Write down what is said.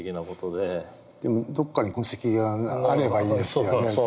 でもどこかに痕跡があればいいですよね。